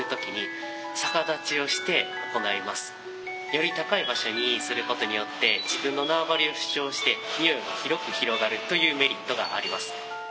より高い場所にすることによって自分の縄張りを主張してにおいを広く広がるというメリットがあります。